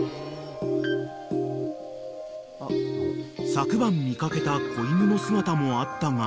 ［昨晩見掛けた子犬の姿もあったが］